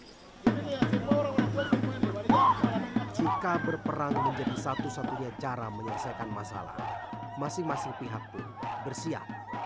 jika berperang menjadi satu satunya cara menyelesaikan masalah masing masing pihak pun bersiap